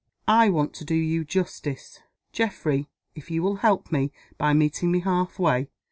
"I want to do you justice, Geoffrey if you will help me, by meeting me half way.